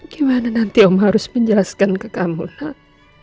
gimana nanti saya harus menjelaskan ke kamu nat